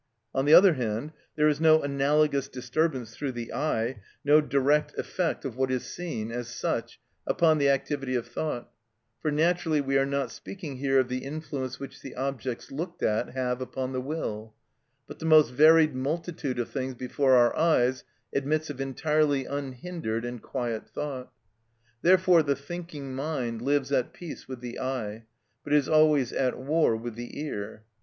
On the other hand, there is no analogous disturbance through the eye, no direct effect of what is seen, as such, upon the activity of thought (for naturally we are not speaking here of the influence which the objects looked at have upon the will); but the most varied multitude of things before our eyes admits of entirely unhindered and quiet thought. Therefore the thinking mind lives at peace with the eye, but is always at war with the ear.